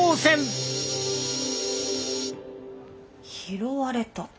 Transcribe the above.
拾われた。